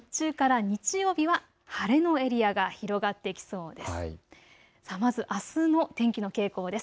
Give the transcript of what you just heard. あすの日中から日曜日は晴れのエリアが広がってきそうです。